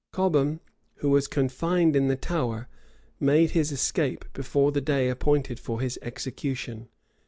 Cobham, who was confined in the Tower, made his escape before the day appointed for his execution.